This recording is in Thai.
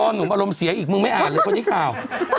หนุ่มอารมณ์เสียอีกมึงไม่อ่านเลยคนนี้ข่าว